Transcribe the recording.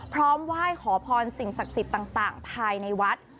พร้อมไหว้ขอพรสิ่งศักดิ์สิทธิ์ต่างภายในวัด